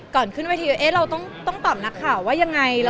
ก่อนขึ้นวิทีโยคเราต้องตอบนักข่าวว่ายังไง